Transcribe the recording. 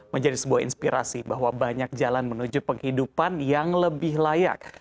menjadi sebuah inspirasi bahwa banyak jalan menuju penghidupan yang lebih layak